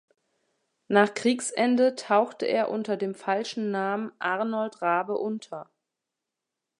Nach Kriegsende tauchte er unter dem falschen Namen "Arnold Raabe" unter.